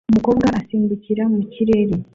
Umukobwa asimbukira mu kirere